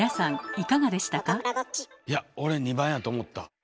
いや俺２番やと思った。